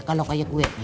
kalau kayak gue